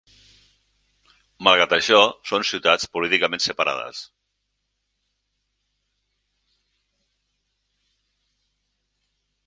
Malgrat això, són ciutats políticament separades.